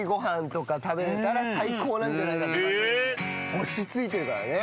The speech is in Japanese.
星ついてるからね。